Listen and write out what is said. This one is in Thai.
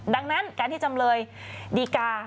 ดังนั้นการที่จำเลยดีกา